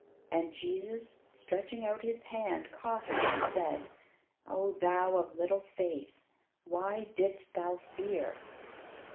And Jesus, stretching out His hand, caught him, and said, "O thou of little faith, why didst thou fear?"